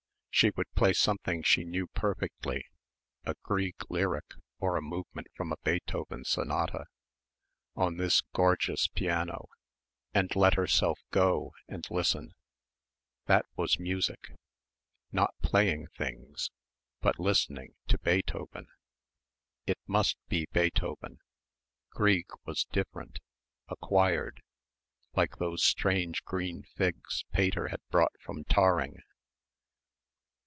She would play something she knew perfectly, a Grieg lyric or a movement from a Beethoven Sonata ... on this gorgeous piano ... and let herself go, and listen. That was music ... not playing things, but listening to Beethoven.... It must be Beethoven ... Grieg was different ... acquired ... like those strange green figs Pater had brought from Tarring